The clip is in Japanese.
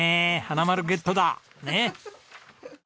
花丸ゲットだ！ねえ。